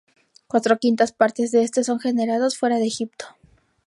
Cuatro quintas partes de este son generados fuera de Egipto.